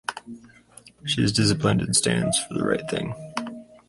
She is disciplined and stands for the right thing.